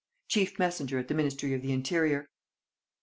Chief messenger at the Ministry of the Interior."